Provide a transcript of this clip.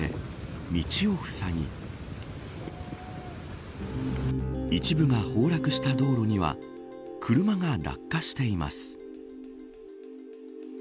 道をふさぎ一部が崩落した道路には車が落下しています。